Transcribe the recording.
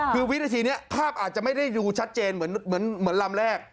คือวินาทีนี้ภาพอาจจะไม่ได้ดูชัดเจนเหมือนลำแรก